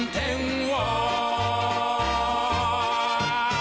は？